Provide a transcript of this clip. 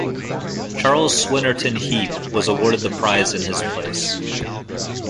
Charles Swinnerton Heap was awarded the prize in his place.